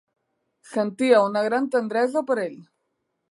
Sentia una gran tendresa per ell.